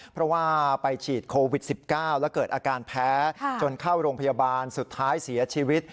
เพราะว่าไปฉีดโควิด๑๙แล้วเกิดอาการแพ้จนเข้าโรงพยาบาลสุดท้ายเสียชีวิต